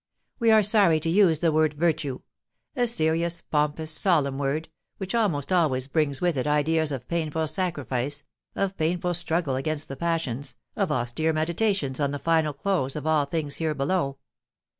We are sorry to use the word virtue, a serious, pompous, solemn word, which almost always brings with it ideas of painful sacrifice, of painful struggle against the passions, of austere meditations on the final close of all things here below.